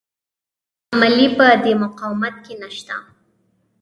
بې عملي په دې مقاومت کې نشته.